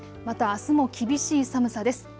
また、あすも厳しい寒さです。